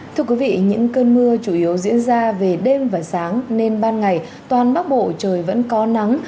thưa quý vị những cơn mưa chủ yếu diễn ra về đêm và sáng nên ban ngày toàn bắc bộ trời vẫn có nắng